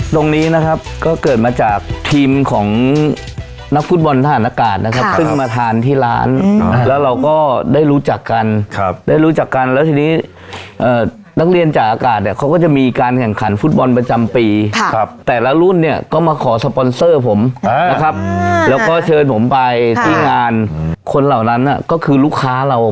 ตรงนี้นะครับก็เกิดมาจากทีมของนักฟุตบอลทหารอากาศนะครับซึ่งมาทานที่ร้านแล้วเราก็ได้รู้จักกันครับได้รู้จักกันแล้วทีนี้นักเรียนจากอากาศเนี่ยเขาก็จะมีการแข่งขันฟุตบอลประจำปีครับแต่ละรุ่นเนี่ยก็มาขอสปอนเซอร์ผมนะครับแล้วก็เชิญผมไปที่งานคนเหล่านั้นก็คือลูกค้าเรา